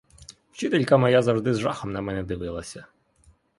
Вчителька моя завжди з жахом на мене дивилася.